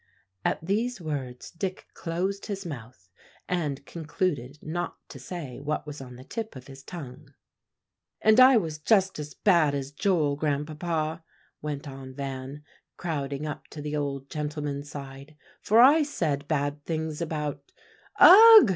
At these words Dick closed his mouth, and concluded not to say what was on the tip of his tongue. "And I was just as bad as Joel, Grandpapa," went on Van, crowding up to the old gentleman's side; "for I said bad things about" "Ugh!"